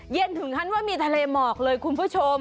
ถึงขั้นว่ามีทะเลหมอกเลยคุณผู้ชม